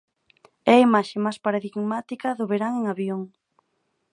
É a imaxe máis paradigmática do verán en Avión.